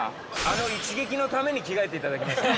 ◆あの一撃のために、着替えていただきました。